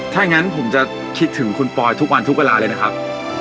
ถ้างั้นผมจะคิดถึงคุณปอยทุกวันทุกเวลาเลยนะครับ